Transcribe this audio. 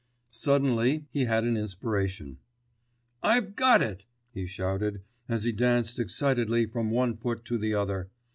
Suddenly he had an inspiration. "I've got it!" he shouted, as he danced excitedly from one foot to the other.